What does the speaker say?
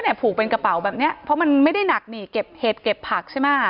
ผูกเป็นกระเป๋าแบบเนี้ยเพราะมันไม่ได้หนักนี่เก็บเห็ดเก็บผักใช่ไหม